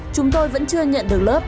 chúng tôi vẫn chưa nhận được lớp